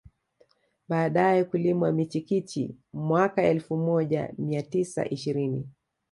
Baadae kulimwa michikichi mwaka elfu moja mia tisa ishirini